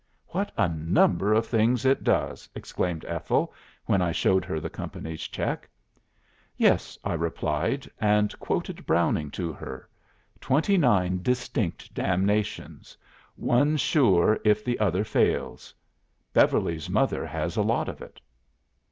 "'What a number of things it does!' exclaimed Ethel, when I showed her the company's check." "'Yes,' I replied, and quoted Browning to her: ''Twenty nine Distinct damnations. One sure if the other fails.' Beverly's mother has a lot of it.